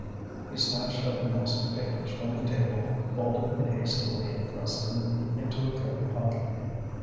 He snatched up a mass of papers from the table, folded them hastily and thrust them into a coat pocket.